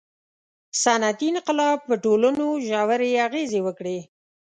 • صنعتي انقلاب په ټولنو ژورې اغېزې وکړې.